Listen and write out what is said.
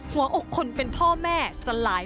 หัวอกคนเป็นพ่อแม่สลาย